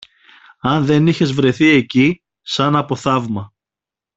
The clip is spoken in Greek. Αν δεν είχες βρεθεί εκεί, σαν από θαύμα